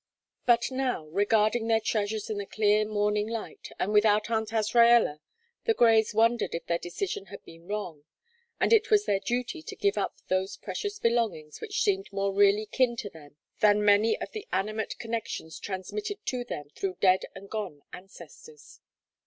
But now, regarding their treasures in the clear morning light, and without Aunt Azraella, the Greys wondered if their decision had been wrong, and it was their duty to give up those precious belongings which seemed more really kin to them than many of the animate connections transmitted to them through dead and gone ancestors.